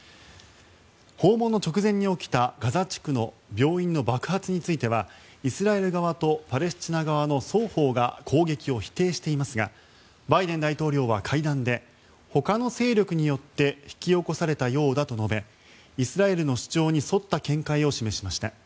訪問の直前に起きたガザ地区の病院の爆発についてはイスラエル側とパレスチナ側の双方が攻撃を否定していますがバイデン大統領は会談でほかの勢力によって引き起こされたようだと述べイスラエルの主張に沿った見解を示しました。